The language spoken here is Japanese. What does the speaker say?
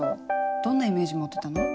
どんなイメージ持ってたの？